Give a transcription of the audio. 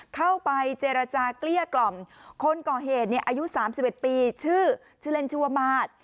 เข้าไปเจรจาเกลี้ยกล่อมคนก่อเหตุเนี่ยอายุ๓๑ปีชื่อชื่อเล่นชื่อว่ามาตร